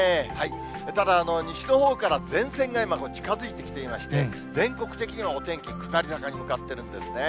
ただ、西のほうから前線が今、近づいてきていまして、全国的にもお天気下り坂に向かっているんですね。